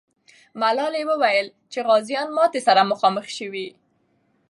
ملالۍ وویل چې غازیان ماتي سره مخامخ سوي.